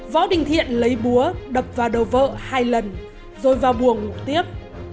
võ đình thiện lấy búa đập vào đầu vợ hai lần rồi vào buồng ngủ tiếp